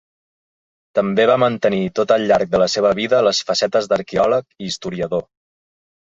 També va mantenir tot el llarg de la seva vida les facetes d'arqueòleg i historiador.